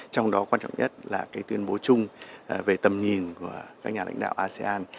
trong đó quan trọng nhất là tuyên bố chung về tầm nhìn của các nhà lãnh đạo asean